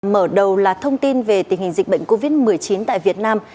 mở đầu là thông tin về tình hình dịch bệnh covid một mươi chín tại việt nam